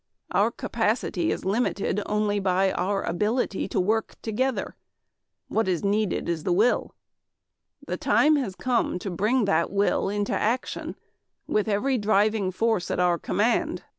Our capacity is limited only by our ability to work together. What is needed is the will. "The time has come to bring that will into action with every driving force at our command.